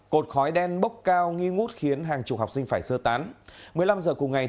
cột khói đen bốc cao nghi ngút khiến hàng chục học sinh phải sơ tán